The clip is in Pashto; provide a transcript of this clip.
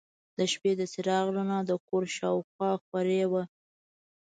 د شپې د څراغ رڼا د کور شاوخوا خورې وه.